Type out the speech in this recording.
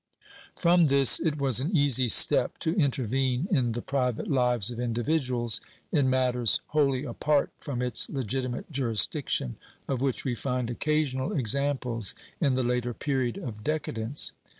From this it was an easy step to intervene in the private lives of individuals, in matters wholly apart from its legitimate juris diction, of which we find occasional examples in the later period of decadence.